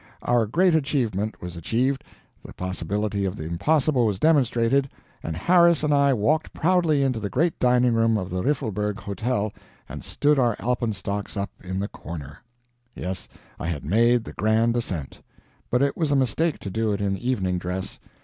Our great achievement was achieved the possibility of the impossible was demonstrated, and Harris and I walked proudly into the great dining room of the Riffelberg Hotel and stood our alpenstocks up in the corner. Yes, I had made the grand ascent; but it was a mistake to do it in evening dress.